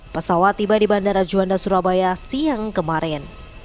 pesawat tiba di bandara juanda surabaya siang kemarin